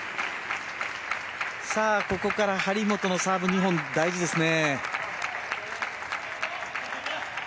ここから張本のサーブ２本大事ですね。